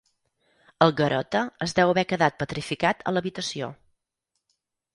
El Garota es deu haver quedat petrificat a l'habitació.